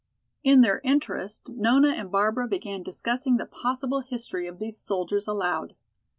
In their interest Nona and Barbara began discussing the possible history of these soldiers aloud.